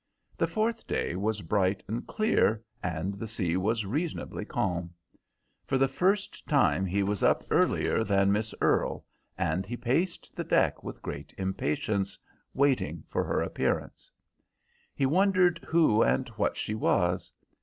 The fourth day was bright and clear, and the sea was reasonably calm. For the first time he was up earlier than Miss Earle, and he paced the deck with great impatience, waiting for her appearance. He wondered who and what she was.